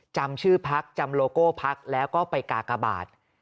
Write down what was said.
จำชื่อพักจำโลโก้พักแล้วก็ไปกากบาท